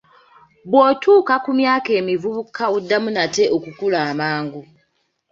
Bw'otuuka ku myaka emivubuka oddamu nate okukula amangu.